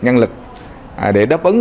nhân lực để đáp ứng